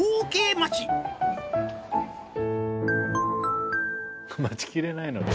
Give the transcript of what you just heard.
待ちきれないので。